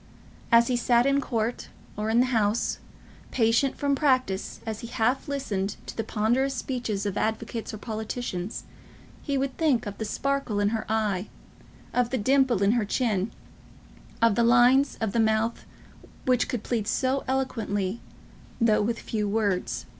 As he sat in court, or in the House, patient from practice as he half listened to the ponderous speeches of advocates or politicians, he would think of the sparkle in her eye, of the dimple in her chin, of the lines of the mouth which could plead so eloquently, though with few words.